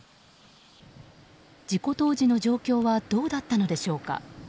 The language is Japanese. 事故当時の状況はどうだったのでしょうか。